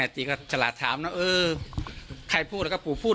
ติเค้าฉลาดถามเนาะเออใครพูดละแน่แล้วก็ปู่พูด